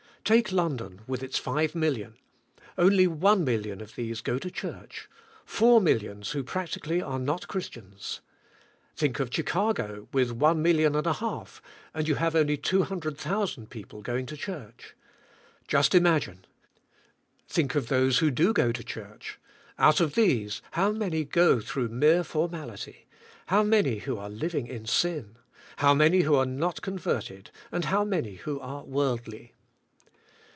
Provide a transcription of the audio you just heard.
Take London with its five million, only one million of these go to church, four millions who practically are not Christians. ' Think of Chicago with one million and a half and j^ou have only 200,000 people going to church. Just imagine. Think of those who do go to church. Out of these how many go through mere formality; how many who are living in sin; how many who are not con verted, and how many who are worldly.